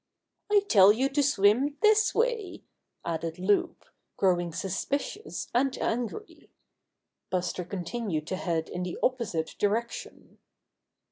"I tell you to swim this way!" added Loup, growing suspicious and angry. Buster continued to head in the opposite direction.